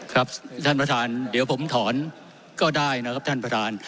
ครับท่านประธานเดี๋ยวผมถอนก็ได้นะครับท่านประธาน